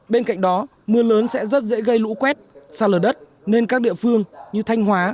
bên cạnh đó mưa lớn sẽ rất dễ gây lũ quét xa lở đất nên các địa phương như thanh hóa